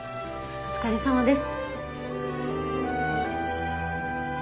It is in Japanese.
お疲れさまです。